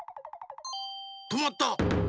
とまった！